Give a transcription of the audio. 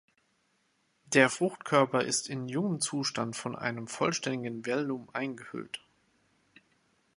Der Fruchtkörper ist in jungem Zustand von einem vollständigen Velum eingehüllt.